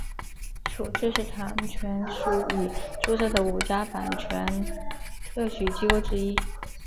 属知识产权署已注册的五家版权特许机构之一。